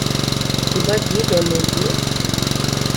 — Хіба дідо не є?